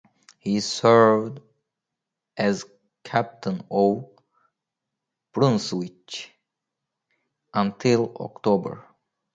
He served as captain of "Brunswick" until October.